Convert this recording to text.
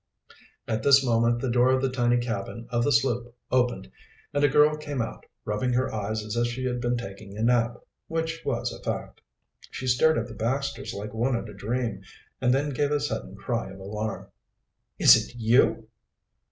At this moment the door of the tiny cabin of the sloop opened, and a girl came out, rubbing her eyes as if she had been taking a nap, which was a fact. She stared at the Baxters like one in a dream, and then gave a sudden cry of alarm. "Is it you!"